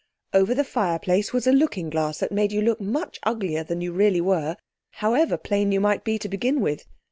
Over the fireplace was a looking glass that made you look much uglier than you really were, however plain you might be to begin with.